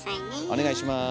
お願いします。